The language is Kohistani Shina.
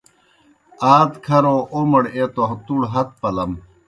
آدکھروْ اومڑ ایہ تَوْ تُوْڑ ہت پلَم۔